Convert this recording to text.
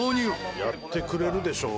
やってくれるでしょ